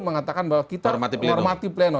mengatakan bahwa kita normati pleno